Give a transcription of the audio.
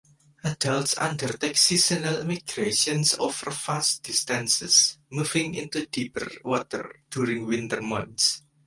Adults undertake seasonal migrations over vast distances, moving into deeper water during winter months.